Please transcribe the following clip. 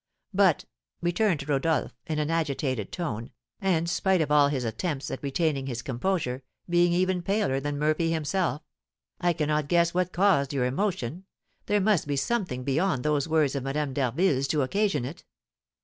"But," returned Rodolph, in an agitated tone, and, spite of all his attempts at retaining his composure, being even paler than Murphy himself, "I cannot guess what caused your emotion; there must be something beyond those words of Madame d'Harville's to occasion it."